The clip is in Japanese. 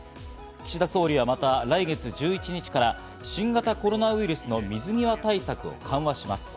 岸田総理は、また来月１１日から新型コロナウイルスの水際対策を緩和します。